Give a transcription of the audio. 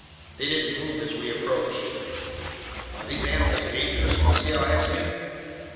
They didn't move as we approached. "Are these animals dangerous?" Conseil asked me.